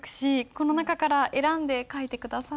この中から選んで書いて下さい。